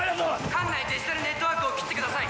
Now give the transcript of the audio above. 艦内デジタルネットワークを切ってください！